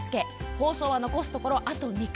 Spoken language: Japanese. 放送は残すところ、あと２回。